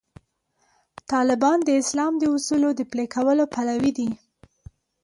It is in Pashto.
طالبان د اسلام د اصولو د پلي کولو پلوي دي.